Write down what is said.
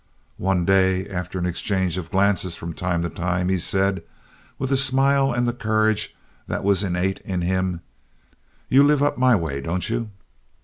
One day, after an exchange of glances from time to time, he said, with a smile and the courage that was innate in him: "You live up my way, don't you?"